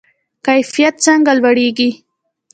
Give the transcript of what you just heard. کیفیت څنګه لوړیږي؟